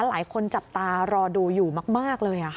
หลายคนจับตารอดูอยู่มากเลย